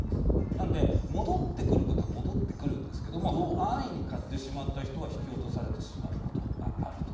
なので、戻ってくることは戻ってくるんですけども安易に買ってしまった人は引き落とされてしまうことがあると。